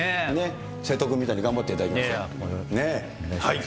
瀬戸君みたいに頑張っていただきたいです。